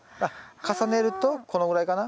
重ねるとこのぐらいかな。